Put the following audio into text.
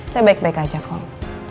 saya baik baik saja kong